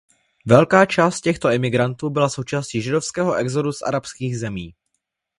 Velká část těchto imigrantů byla součástí židovského exodu z arabských zemí.